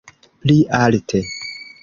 Pli alte!